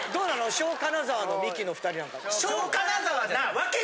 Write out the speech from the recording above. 小金沢のミキの２人なんかは。